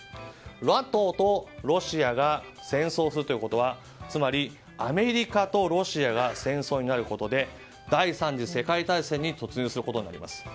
ＮＡＴＯとロシアが戦争するということはつまりアメリカとロシアが戦争になることで第３次世界大戦に突入することになります。